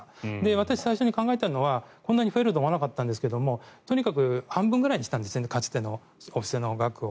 私、最初に考えたのはこんなに増えると思わなかったんですがとにかく半分ぐらいにしたんですかつてのお布施の額を。